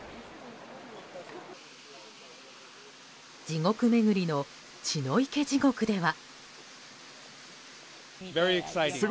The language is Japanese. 地獄巡りの血の池地獄では。